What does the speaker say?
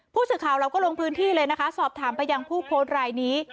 ผู้สื่อข่าวเราก็ลงพื้นที่เลยนะคะสอบถามไปยังผู้โพสต์รายนี้